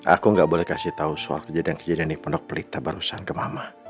aku gak boleh kasih tau soal kejadian kejadian ini pendok pelita barusan ke mama